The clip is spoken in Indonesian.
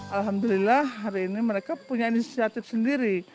alhamdulillah hari ini mereka punya inisiatif sendiri